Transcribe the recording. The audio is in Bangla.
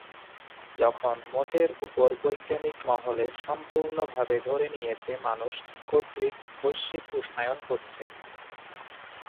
যখন মোটের উপর বৈজ্ঞানিক মহলে সম্পুর্ণভাবে ধরে নিয়েছে মানুষ কর্তৃক বৈশ্বিক উষ্ণায়ন হচ্ছে।